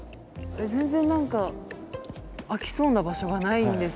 全然何か開きそうな場所がないんですけれど。